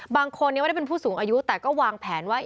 บางคนยังไม่ได้เป็นผู้สูงอายุแต่ก็วางแผนว่า